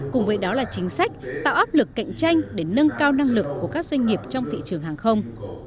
cùng với đó là chính sách tạo áp lực cạnh tranh để nâng cao năng lực của các doanh nghiệp trong thị trường hàng không